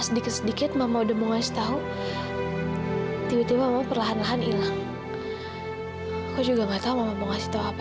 sampai jumpa di video selanjutnya